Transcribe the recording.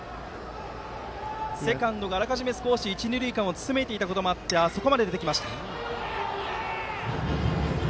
セカンドがあらかじめ少し一、二塁間を詰めていたこともあってあそこまで出てきました。